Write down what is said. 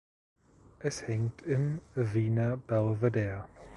Es hängt im Wiener Belvedere.